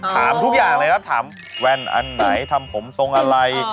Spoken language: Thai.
ถามทุกอย่างเลยครับถามแว่นอันไหนทำผมทรงอะไร